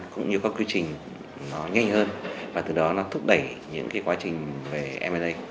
cũng như các quy trình nó nhanh hơn và từ đó nó thúc đẩy những quá trình về m a